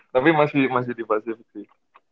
tapi masih masih di pasif sih